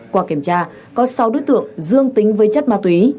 qua kiểm tra có sáu đối tượng dương tính với chất ma túy